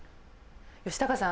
吉高さん